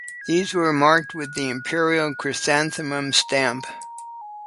These were marked with the imperial chrysanthemum stamp.